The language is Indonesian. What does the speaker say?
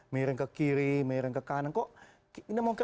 menyerang ke kiri menyerang ke kanan kok